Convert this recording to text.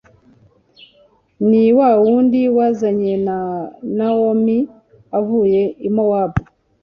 ni wawundi wazanye na nawomi avuye i mowabu